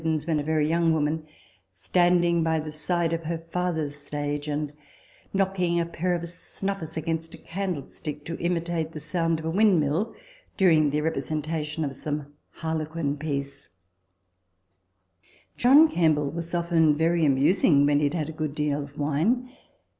Gibber with fascinating art TABLE TALK OF SAMUEL ROGERS 147 when a very young woman, standing by the side of her father's stage, and knocking a pair of snuffers against a candlestick, to imitate the sound of a wind mill, during the representation of some Harlequin piece. John Kemble was often very amusing when he had had a good deal of wine.